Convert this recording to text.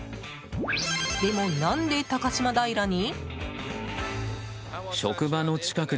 でも、何で高島平に？